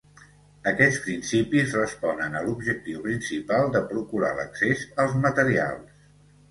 Aquests principis responen a l'objectiu principal de procurar l'accés als materials.